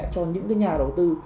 cho những cái nhà đầu tư